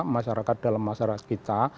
masyarakat dalam masyarakat kita